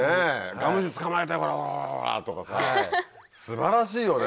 「ガムシ捕まえたよほらほら」とかさ。素晴らしいよね